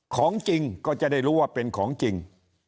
ของจริงก็จะได้รู้ว่าเป็นของจริง